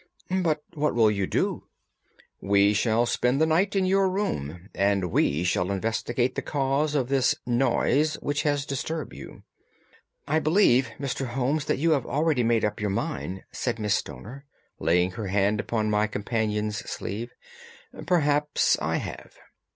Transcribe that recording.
"But what will you do?" "We shall spend the night in your room, and we shall investigate the cause of this noise which has disturbed you." "I believe, Mr. Holmes, that you have already made up your mind," said Miss Stoner, laying her hand upon my companion's sleeve. "Perhaps I have."